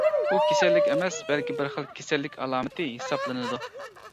ئۇ كېسەللىك ئەمەس، بەلكى بىر خىل كېسەللىك ئالامىتى ھېسابلىنىدۇ.